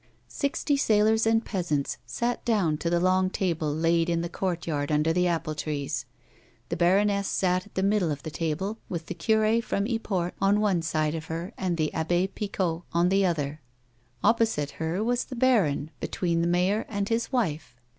Sixty sailors and peasants sat down to the long table laid in the courtyard under the apple trees. The baroness sat at the middle of the table with the cure from Yport on one side of her and the Abbe Picot on the other ; opposite her was the baron between the maj'Or and his wife.